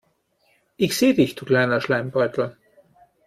Ich sehe dich, du kleiner Schleimbeutel.